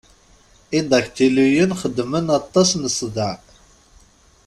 Idaktiluyen xeddmen aṭas n ssḍeε.